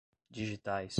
digitais